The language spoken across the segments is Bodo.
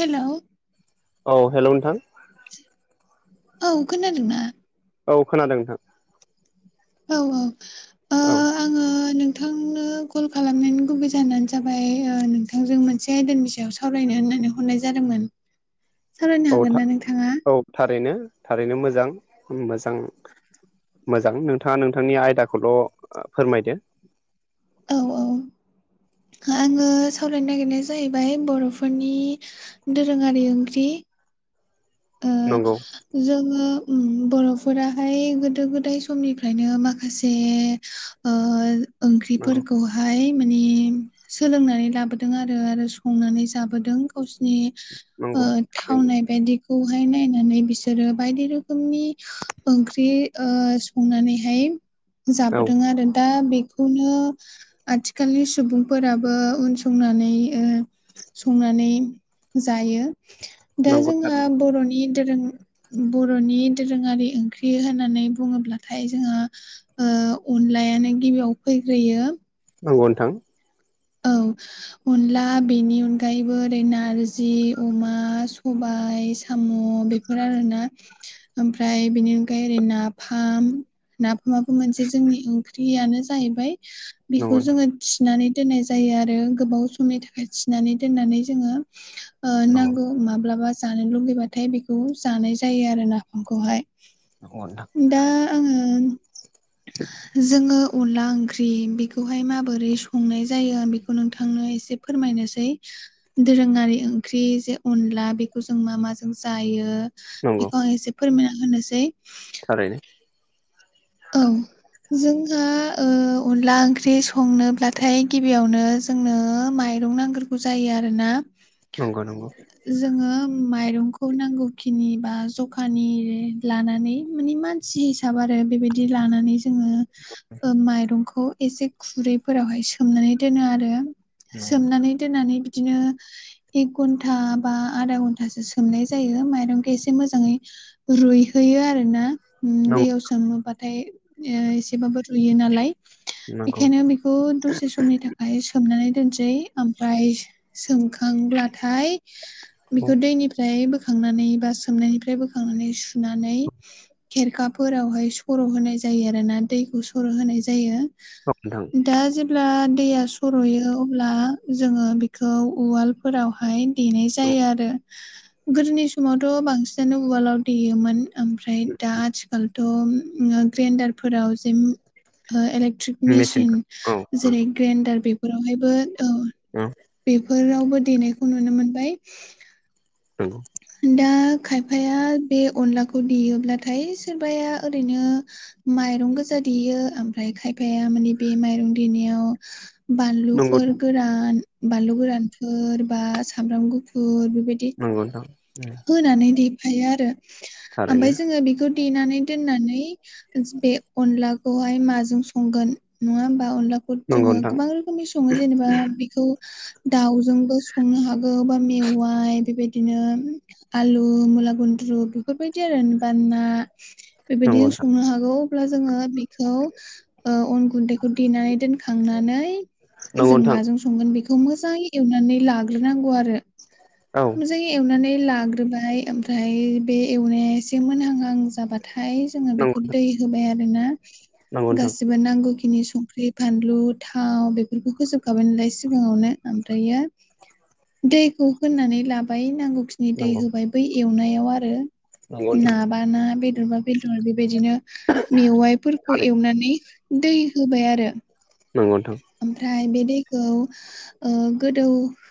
हेल' औ हेल' नोंथां औ खोनादोंना औ खोनादों नोंथां औ औ ओ औ आङो नोंथांनो कल खालामनायनि गुबै जानो जाबाय नोंथांजों मोनसे आयदनि सायाव सावरायनो होननानै हरनाय जादोंमोन सावरायनो औ हागोन ना नोंथाङा औ थारैनो थारैनो मोजां मोजां मोजां नोंथाङा नोंथांनि आयदाखौल' फोरमायदो औ औ आङो सावरायनो नागिरनाया जाहैबाय बर'फोरनि दोरोङारि ओंख्रि ओ नंगौ जोङो बर'फोराहाय गोदो गोदाय समनिफ्रायनो माखासे ओ नंगौ ओंख्रिफोरखौ बहाय माने सोलोंनानै लाबोदों आरो, आरो संनानै जाबोदों। गावसिनि ओ नंगौ थारैनो थावनाय बायदि खौहाय नायनानै बिसोरो बायदि रोखोमनि ओंख्रि ओ संनानैहाय औ जाबोदों आरो दा बे बेखौनो आथिखालनि सुबुंफोराबो उनसंनानै ओ संनानै जायो। दा नंगौ जोंहा थारैनो बर'नि दोरों बर'नि दोरोङारि ओंख्रि होननानै बुङोब्लाथाय जोंहा ओ अनलायानो गिबियाव फैग्रोयो नंगौ नोंथां औ अनला बेनि अनगायैबो ओरै नारजि अमा सबाय साम' बे बेफोर आरोना ओमफ्राय बेनि अनगायै ओरै नाफाम नाफामाबो मोनसे जोंनि ओंख्रियानो जाहैबाय नंगौ बेखौ नोंथां जोङो थिनानै दोननाय जायो आरो गोबाव समनि थाखाय थिनानै दोननानै जोङो नंगौ नांगौ माब्लाबा जानो लुुबैबाथाय बेखौ जानाय जायो आरो नाफामखौहाय अदा दा आङो जोङो अनला ओंख्रि बेखौहाय माबोरै संनाय जायो बेखौ नोंथांनो एसे फोरमायनोसै दोरोङारि ओंख्रि जे अनला बेखौ जों मा माजों जायो नंगौ बेखौ आं एसे फोरमायना होनोसै। थारैनो। औ जोंहा ओ अनला ओंख्रि संनोब्लाथाय गिबियावनो जोंनो माइरं नांगोरगौ जायो आरोना। नंगौ नंगौ। जोङो माइरंखौ नांगौखिनि बा जखानि लानानै मानि मान सि हिसाब आरो बेबायदि लानानै जोङो ओ माइरंखौ एसे खुरैफोरावहाय सोमनानै दोनो आरो। सोमनानै दोननानै बिदिनो एक घन्टा घन्टा बा आदा घन्टासो सोमनाय जायो माइरंखौ एसे मोजाङै रुइहोयो आरो ना। ओम नंगौ दैयाव सोमोबाथाय ओ एसेबाबो रुयो नालाय। नंगौ बेखायनो बेखौ दसे समनि थाखाय सोमनानै दोनसै, आमफ्राय सो-सोमखांब्लाथाय औ बेखौ दैनिफ्राय बोखांनानै बा सोमनायनिफ्राय बोखांनानै सु नानै खेरखा फोरावहाय सर' होनाय जायो आरो ना दैखौ सर' होनाय जायो। औ नोंथां। दा जेब्ला दैया सर'यो अब्ला जोङो बेखौ उवालफोरावहाय देनाय जायो आरो। गोदोनि समावथ' बांसिनानो उवालाव देयोमोन। ओमफ्राय दा आथिखालथ' ओ ग्रेन्डारफोराव जे ओ इलेकट्रिक मेसिन मेसेनफोर औ जेरै ग्रेइन्डार बेफोरावहायबो, औ। औ। बेफोरावबो देनायखौ नुनो मोनबाय। नंगौ। दा खायफाया बे अनलाखौ देयोब्लाथाय सोरबाया ओरैनो माइरं गोजा देयो ओमफ्राय खायफाया मानि बे माइरं देनायाव नंगौ बानलुफोर गोरान बानलु गोरानफोर बा सामब्राम गुफुर बेबायदि नंगौ नोंथां। होनानै देफायो आरो। थारैनो आमफ्राय जोङो बेखौ देनानै दोननानै बे अनलाखौहाय माजों संगोन नङा होमबा? अनलाखौ नंगौ जोङो नोंथां गोबां रोखोमनि सङो जेनेबा बे बेखौ दाउजोंबो संनो हागौ बा मेवाइ बेबायदिनो आलु मुला गुन्द्रु बेफोरबायदि आरोे बा ना बेबायदि नंगौ नोंथां संनो हागौ अब्ला जोङो बेखौ ओ अन गुन्दै देनानै दोनखांनानै नंगौ जों नोंथां माजों संगोन बेखौ मोजाङै एवनानै लाग्रोनांगौ आरो औ जों एवनानै लाग्रोबाय ओमफ्राय बे एवनाया एसे मोनहांहां जाबाथाय जोङो नंगौ बेखौ दै होबाय आरोना नंगौ नोंथां गासिबो नांगौखिनि संख्रि फानलु थाव बेफोरखौ होजोबखाबाय नालाय सिगाङावनो ओमफ्रायो दैखौ होनानै लाबाय नांगौखि दै नंगौ होबाय बै एवनायाव आरो। नंगौ ना नोंथां बा ना, बेदर बा बेदर, बेबायदिनो मेवाइफोरखौ थारै एवनानै दै होबाय आरो। नंगौ नोंथां। ओमफ्राय बे दैखौ ओ गोदौ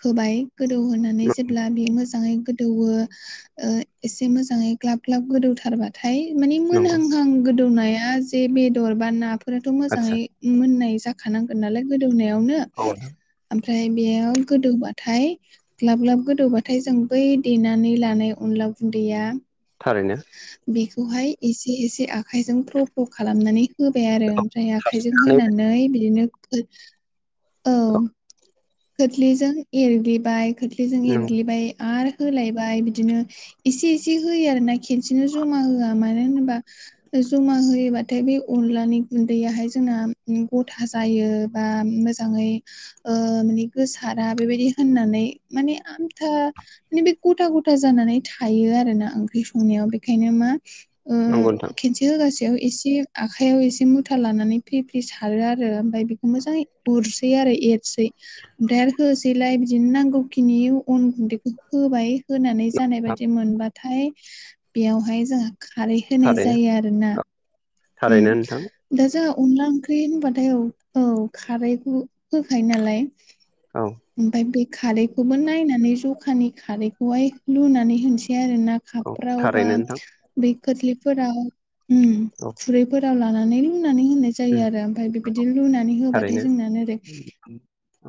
होबाय गोदौ होनानै जेब्ला बेयो मो जाङै गोदौवो ओ एसे मोजाङै ग्लाब ग्लाब गोदौथारबा थाय माने नंगौ मोनहांहां गोदौनाया जे बेदर बा नाफोराथ' आदसा मोजाङै मोननाय जाखानांगोन नालाय गोदौनायावनो औ नोंथां ओमफ्राय बेयाव गोदौबाथाय ग्लाब ग्लाब गोदौबाथाय जों बै देनानै लानाय अनला गुन्दैया थारैनो बेखौहाय एसे एसे आखाइजों फ्र' फ्र' खालामनानै होबाय आरो ओमफ्राय आखाइजों नंगौ होनानै बिदिनो खोथ्लिजों एरग्लिबाय खोथ्लिजों एरग्लिबाय आरो होलायबाय बिदिनो एसे एसे होयो आरोना खेनसेनो जमा होआ मानो होनोबा जमा होयोबाथाय बे अनलानि गुन्दैयाहाय जोंना गथा जायो। बा मोजाङै ओ माने गोसारा बेबायदि होननानै माने आमथा माने बे गथा गथा जानानै थायो आरो ना ओंख्रि संनायाव बेखायनो मा नंगौ नोंथां बे होगासेयाव एसे आखाइयाव एसे मुथा लानानै फ्रि फ्रि सारो आरो ओमफ्राय बेखौ मोजाङै उरसै आरो एरसै ओमफ्राय आरो होसैलाय बिदिनो नांगौखिनि अन गुन्दैखौ होबाय होनानै जानाय बायदि मोनबाथाय बेयावहाय जोंहा खारै होनाय थारैनो जायो आरो ना औ उम थारैनो नोंथां दा जोंहा अनला ओंख्रि होनबाथाय औ औ खारैखौ होखायो नालाय औ ओमफफ्राय बे खारैखौबो नायनानै जखानि खारैखौहाय लुनानै होनोसै आरो ना औ खाब्रावबा थारैनो नोंथां बे खोथलिफोराव उम औ खुरैफोराव लानानै लुनानै होननाय जायो आरो ओमफ्राय बेबायदि लुनानै थारैनो होबाथाय जोंन ओरै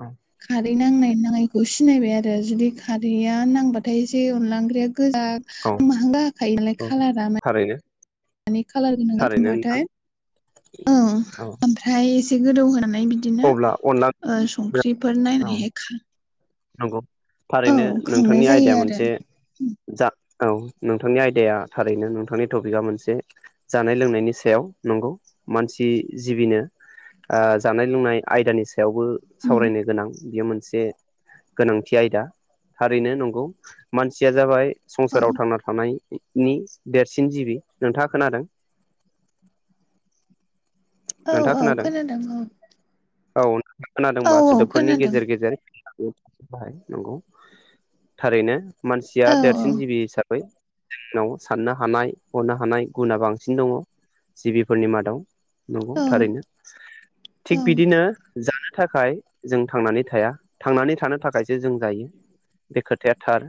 औ खारै नांनाय नाङनायखौ सिनायबाय आरो जुदि खारैया नांबाथाय जसे अनला ओंख्रिया गोजा औ [unintelligible] औ कलारा म थारैनो मानि खाालार गोनां थारैनो नोंथां [unintelligible] औ औ आम फ्राय एसे गोदौ होनानै बिदिनो अब्ला अनला ओ संख्रिफोर औ नायनानैहाय खा नंगौ औ थारैनो खांनाय नोंथांनि जायो आयदाया आरो मोनसे जा औ नोंथांनि आयदाया थारैनो नोंथांनि टपिकआ मोनसे जानाय- लोंनायनि सायाव नंगौ मानसि जिबिनो ओ जानाय लोंनाय आयदानि सायावबो उम सावरायनो गोनां। बियो मोनसे गोनांथि आयदा। थारैनो नंगौ मानसिया जाबाय औ संसाराव थांना थानायनायनि देरसिन जिबि नोंथाङा खोनादों? औ नोंथाङा औ खोनादों? औ नोंथाङा औ खोनादोंबा औ सोदोबफोरनि खोनादों गेजेर - गेजेर नंगौ थारैनो मानसिया औ [unintelligible] [unintelligible] जिबि हिसाबै जोंनाव साननो हानाय हनो हानाय गुनाआ बांसिन दङ। जिबिफोरनि मादाव नंगौ औ थारैनो। औ थिग बिदिनो जानो थाखाय जों थांनानै थाया थांनानै थानो थाखायसो जों जायो बे खोथाया थार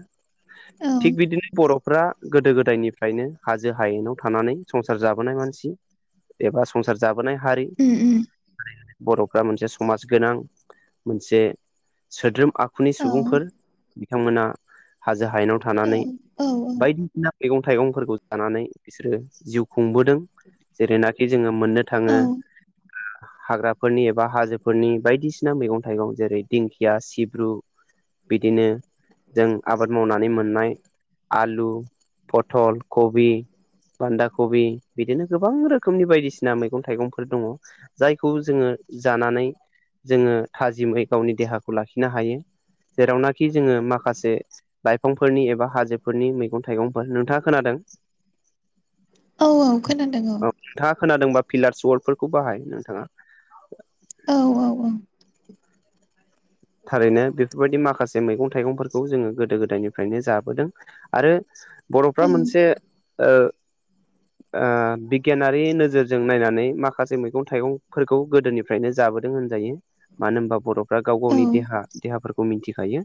औ थिग बिदिनो बर' फोरा गोदो गोदायनिफ्रायनो हाजो हायेनाव थानानै संसार जाबोनाय मानसि एबा संसार जाबोनाय हारि उम उम बर'फ्रा मोनसे समाज गोनां मोनसे सोद्रोम आखुनि औ सुबुंफोर बिथांमोना हाजो हायेनाव औ थानानै औ बायदिसिना मैगं थाइगंफोरखौ जानानै बिसोरो जिउ खुंबोदों जेरैना जोङो मोननो थाङो औ हाग्राफोरनि एबा हाजोफोरनि बायदिसिना मैगं- थाइगं जेरै दिंखिया, सिब्रु बिदिनो जों आबाद मावनानै मोननाय आलु, पथल, कबि बान्दा कबि बिदिनो गोबां रोखोम रोखोमनि बायदिसिना मैगं - थाइगंफोर दङ जायखौ जोङो जानानै जोङो थाजिमै गावनि देहाखौ लाखिनो हायो। जेरावनाखि जोङो माखासे लाइफांफोरनि एबा हाजोफोरनि मैगं -थाइगंफोर नोंथाङा खोनादों? औ औ खोनादों औ। औ नोंथाङा खोनादोंबा फिलार्स वर्दफोरखौ बाहाय नोंथाङा। औ औ औ। थारैनो बेफोरबायदि माखासे मैगं - थाइगंफोरखौ जोङो गोदो - गोदायनिफ्रायनो जाबोदों। आरो बर'फ्रा औ मोनसे ओ ओ बिगियानारि नोजोरजों नायनानै माखासे मैगं- थाइगंफोरखौ गोदोनि [unintelligible] जाबोदों होनजायो। मानो होनबा बर'फ्रा गाव गावनि दे- देहाफोरखौ मिथिखायो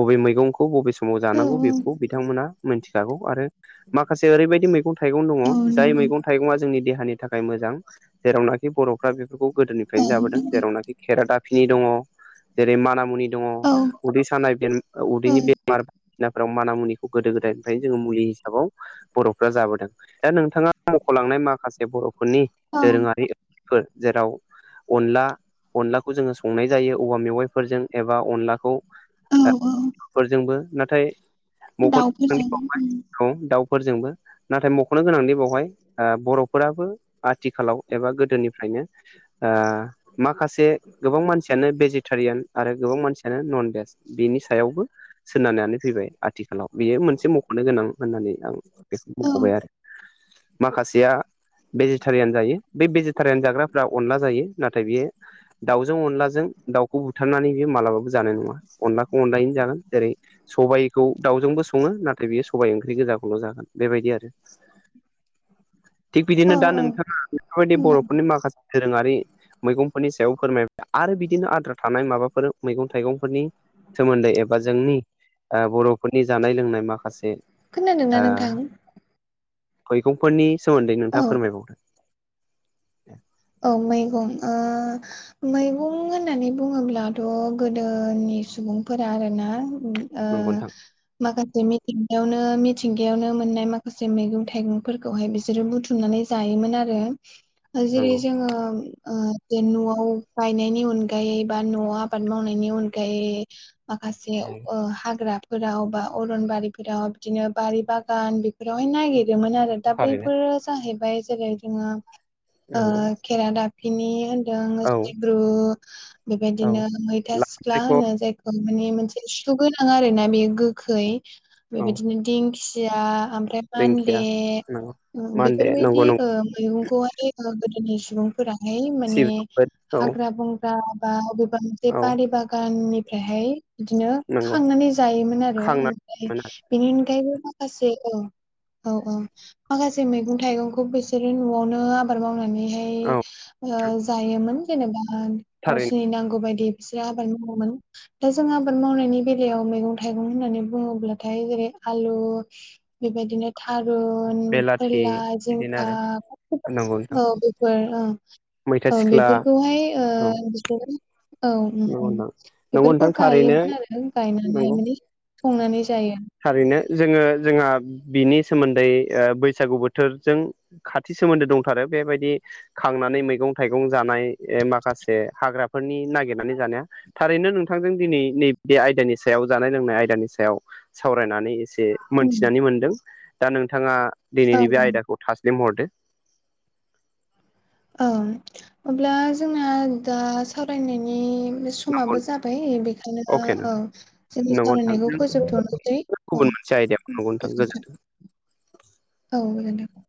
बबे मैगंखौ बबे समाव औ जानांगौ बेखौ बिथांमोना मिथिखागौ आरो माखासे ओरैबायदि मैगं- थाइगं दङ औ जाय नंगौ मैगं- थाइगङा जोंनि देहानि थाखाय मोजां जेरावनाखि बर'फ्रा बेफोरखौ औ गोदोनिफ्रायनो जाबोदों नंगौ जेरावनाखि [unintelligible] [unintelligible] दङ जेरै मान मुनि दङ औ उदै सानाय औ उदैनि बेमार [unintelligible] माना मुनिखौ गोदो- गोदायनिफ्रायनो जोङो मुलि हिसाबाव बर'फ्रा जाबोदों। दा नोंथाङा मख'लांनाय माखासे बर'फोरनि औ दोरोङारिफोर जेराव अनला अनलाखौ जोङो संनाय जायो औवा मेवाइ -फोरजों एबा अनलाखौ औ औ फोरजोंबो नाथाय दाउफोरजों उम मख'नोबाय दाउफोरजोंबो नाथाय मख'नो गोनांदि बेवहाय ओ बर'फोराबो आथिखालाव एबा गोदोनिफ्रायनो ओ माखासे गोबां मानसियानो भेजिटेरियान आरो गोबां मानसियानो नन भेज बिनि सायावबो सोनारनानै फैबाय। आथिखालाव बियो मोनसे मख'नो गोनां होननानै आं बेखौ औ बुंख'बाय आरो। माखासेया भेजिटेरियान जायो बे भेजि [unintelligible] जाग्राफ्रा अनला जायो। नाथाय बियो दाउजों अनलाजों दाउखौ [unintelligible] बुथारनानै बेयो मालाबाबो जानाय नङा अनलाखौ अनलायैनो जागोन जेरै सबायखौ दाउजोंबो सङो नाथाय बेयो सबाइ ओंख्रि गोजाखौल' जागोन बेबायदि आरो। [unintelligible] थिग बिदिनो औ दा औ नोंथाङा नोंफोरबायदि बर'फोरनि माखासे दोरोङारि मैगंफोरनि सायाव फोरमायबाय आरो बिदिनो आद्रा थानाय माबाफोर मैगं थाइगंफोरनि सोमोन्दै एबा जोंनि ओ बर'फोरनि जानाय लोंनाय माखासे खोनादों ना ओ नोंथां? मैगंफोरनि सोमोन्दै नोंथाङा औ फोरमायबावदो औ मैगं ओ मैगं होननानै बुङोब्लाथ' गोदोनि सुबुंफोरा आरोना ओ नंगौ नोंथां माखासे मिथिंगायावनो - मिथिंगायावनो मोननाय माखासे मैगं - थाइगंफोरखौहाय बिसोरो बुथुमनानै जायोमोन आरो जेरै नंगौ [unintelligible] न'आव गायनायनि अनगायै बा न'आव आबाद मावनायनि अनगायै माखासे नंगौ ओ हाग्रा [unintelligible] बा अरनबारिफोराव बिदिनो बारि बागान बेफोरावहाय नागिरोमोन आरो। दा थारैनो बैफोर जाहैबाय जेरै जोङो नंगौ। खेरा‌दाफिनि होनदों औ सिब्रु औ बेबायदिनो मैथा सिख्ला लाफासायख' होनो जायखौ माने मोनसे सुगोनां आरो ना बेयो गो खै औ बेबायदिनो दिंखिया ओमफ्राय मान्दे दिंखिया नंगौ मान्दे बेफोरबायदि नंगौ ओ नंगौ मैगंखौहाय ओ गोदोनि सुबुं फोराहाय माने सिबिं औ हाग्रा बंग्रा बा बबेबा मोनसे औ बारि बागाननि फ्रायहाय बिदिनो नंगौ खांनानै जायोमोन आरो खांनानै ओमफ्राय मोनो बेनि अनगायैबो माखासे औ औ औ माखासे मैगं थाइगंखौ बिसोरो न'आवनो आबाद मावनानै औ ओ जायोमोन जेनेबा थारैनो गावसोरनि नांगौ बायदि इसे आबाद मावोमोन दा जों आबाद मावनायनि बेलायाव मैगं थाइगं होननानै बुङोब्लाथाय जेरै आलु बेबायदिनो थारुन बेलाथि फोरला बिदिनो जिंखा आरो नंगौ नोंथां [unintelligible] औ [unintelligible] फोर ओ मैथा औ सिख्ला बेफोरखौहाय ओ औ बिसोरो औ उम नंगौ उम नोंथां नंगौ बेफोरखौ नोंथां थारैनो गायोमोन आरो गायनानै नंगौ माने संनानै जायो। थारैनो जोङो जोंहा बिनि सोमोन्दै ओ बैसागु बोथोरजों खाथि सोमोन्दो दंथारो बेबायदि खांनानै मैगं थाइगं जानाय माखासे हाग्राफोरनि नागिरनानै जानाया थारैनो नोंथांजों दिनै नैबे बे आयदानि सायाव जानाय लोंनाय आयदानि सायाव सावरायनानै एसे उम मोनथिनानै मोनदों दा नोंथाङा औ दिनैनि बे औ आयदाखौ थासलिम हरदो। औ अब्ला जोंना दा सावरायनायनि नंगौ समाबो जाबाय बेखायनो अके औ नोंथां जोंनि नंगौ सावरायनायखौ नोंथां फोजोबथ'नोसै। औ गुबुन मोनसे आयदायाव नंगौ नोंथां गोजोनथों गोजोन्थों। औ गोजोनथों।